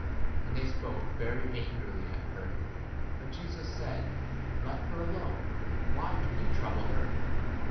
And they spoke very an 6 grily at her. But Jesus said, Let her alone ; why do ye trouble her